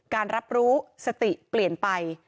การรับรู้สติเปลี่ยนไป